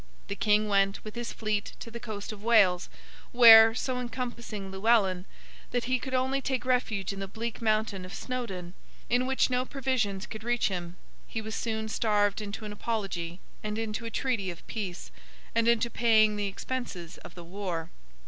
The King went, with his fleet, to the coast of Wales, where, so encompassing Llewellyn, that he could only take refuge in the bleak mountain region of Snowdon in which no provisions could reach him, he was soon starved into an apology, and into a treaty of peace, and into paying the expenses of the war.